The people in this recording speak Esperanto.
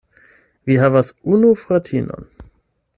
Mi havas unu fratinon.